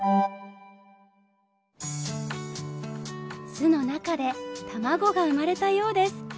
巣の中で卵が生まれたようです。